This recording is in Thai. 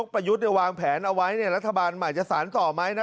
ไปเจอที่ไหน